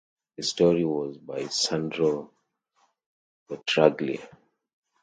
The story was by Sandro Petraglia.